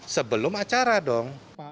sebelum acara dong